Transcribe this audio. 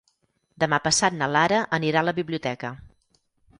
Demà passat na Lara anirà a la biblioteca.